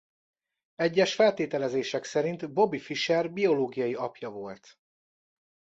Egyes feltételezések szerint Bobby Fischer biológiai apja volt.